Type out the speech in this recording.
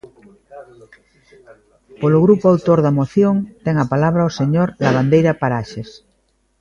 Polo grupo autor da moción, ten a palabra o señor Lavandeira Paraxes.